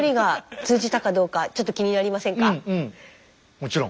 もちろん。